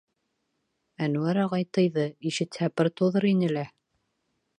Әнүәр ағай тыйҙы, ишетһә пыр туҙыр ине лә...